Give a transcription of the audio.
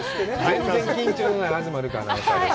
全然緊張のない東留伽アナウンサーです。